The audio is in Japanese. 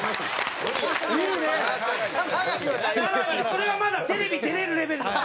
それがまだテレビ出れるレベルです。